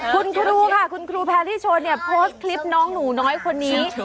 คุณครูค่ะคุณครูแพรรี่ชนเนี่ยโพสต์คลิปน้องหนูน้อยคนนี้